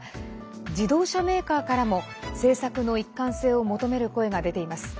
自動車メーカーからも政策の一貫性を求める声が出ています。